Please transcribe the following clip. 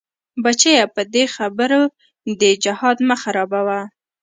بچيه په دې خبرو دې جهاد مه خرابوه.